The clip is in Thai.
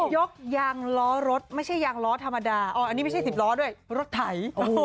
ยกยางล้อรถไม่ใช่ยางล้อธรรมดาอันนี้ไม่ใช่๑๐ล้อด้วยรถไถ